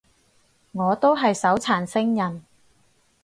我都係手殘星人